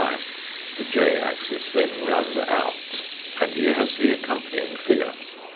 The j axis then runs out and he has the accompanying figure.